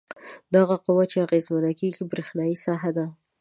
دغه قوه چې اغیزمنه کیږي برېښنايي ساحه ده.